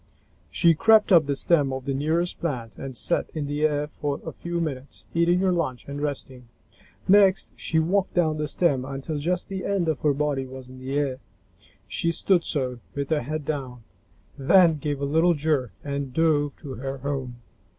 She crept up the stem of the nearest plant and sat in the air for a few minutes, eating her lunch and resting. Next she walked down the stem until just the end of her body was in the air. She stood so, with her head down, then gave a little jerk and dove to her home.